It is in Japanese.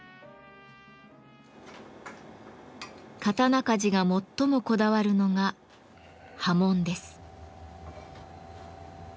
刀鍛冶が最もこだわるのが刃文です。